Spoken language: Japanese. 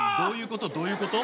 どういうこと？